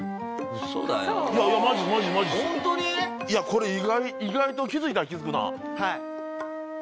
これ意外と気付いたら気付くな。